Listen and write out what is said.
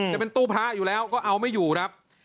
จะเป็นตู้พระอยู่แล้วก็เอาไม่อยู่ครับ